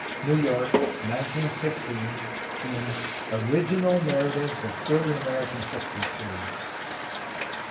(New York. 1916), in Original narratives of early American history series.